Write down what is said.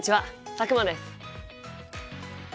佐久間です。